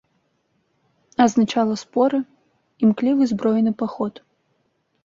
Азначала споры, імклівы збройны паход.